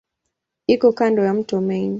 Iko kando ya mto Main.